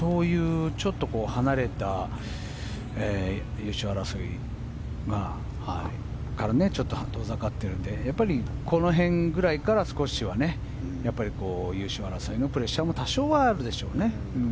優勝争いからちょっと遠ざかっているのでこの辺ぐらいから少しは優勝争いのプレッシャーも多少はあるでしょうね。